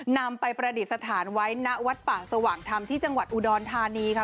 นำไปประดิษฐานไว้ณวัดป่าสว่างธรรมที่จังหวัดอุดรธานีค่ะ